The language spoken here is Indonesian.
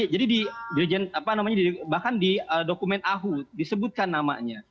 jadi di bahkan di dokumen ahud disebutkan namanya